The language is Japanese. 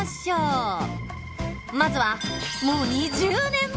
まずはもう２０年前！